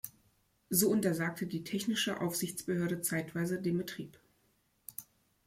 So untersagte die technische Aufsichtsbehörde zeitweise den Betrieb.